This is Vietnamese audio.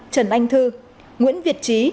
trần anh thư nguyễn việt trí